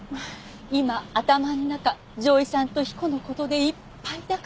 今頭の中女医さんと彦の事でいっぱいだから。